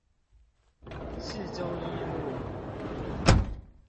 市中一路